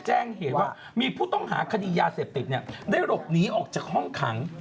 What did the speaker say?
แจ้งเหตุว่ามีผู้ต้องหาคดียาเสพติดได้หลบหนีออกจากห้องขัง